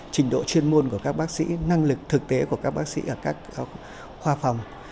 trình độ chuyên môn của các bác sĩ năng lực thực tế của các bác sĩ ở các khoa phòng